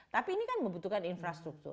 tapi ini kan membutuhkan infrastruktur